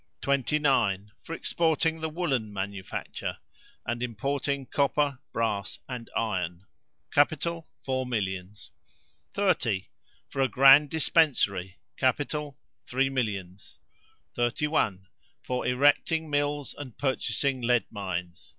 29. For exporting the woollen manufacture, and importing copper, brass, and iron. Capital, four millions. 30. For a grand dispensary. Capital, three millions. 31. For erecting mills and purchasing lead mines.